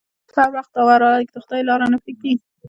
احمد په هر وخت او هر حالت کې د خدای لاره نه پرېږدي.